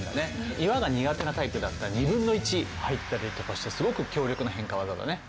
いわが苦手なタイプだったら２分の１入ったりとかしてすごく強力なへんかわざだね。